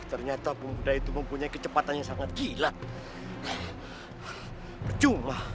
aku akan menguji kemampuanmu